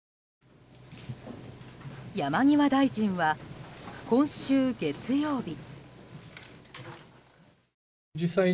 山際大臣は、今週月曜日。